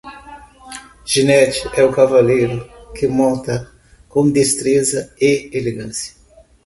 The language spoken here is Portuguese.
Ginete é o cavaleiro que monta com destreza e elegância